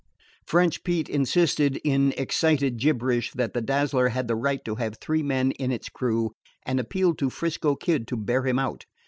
French Pete insisted in excited gibberish that the Dazzler had the right to have three men in its crew, and appealed to 'Frisco Kid to bear him out.